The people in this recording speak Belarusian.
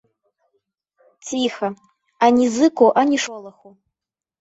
Ціха, ані зыку, ані шолаху.